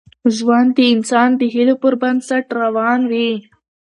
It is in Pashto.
ژوند د انسان د هیلو پر بنسټ روان وي.